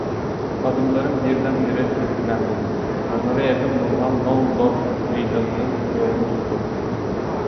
Adımlarım birdenbire süratlendi, onlara yakın bulunan Nollendorf meydanının yolunu tuttum.